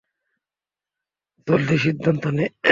জলদি সিদ্ধান্ত নে।